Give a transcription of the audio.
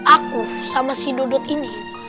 aku sama si dudut ini